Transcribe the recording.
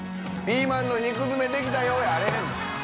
「ピーマンの肉詰めできたよ」やあれへん。